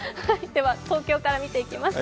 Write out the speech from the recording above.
では、東京から見ていきます。